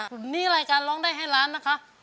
วันนี้รายการร้องได้ให้ล้านนะคะ